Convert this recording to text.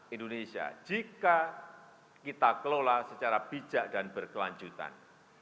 indonesia jika kita kelola secara bijak dan berkelanjutan